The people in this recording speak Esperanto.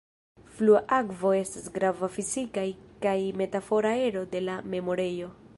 Flua akvo estas grava fizikaj kaj metafora ero de la memorejo.